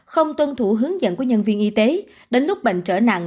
không tuân thủ hướng dẫn của nhân viên y tế đến lúc bệnh trở nặng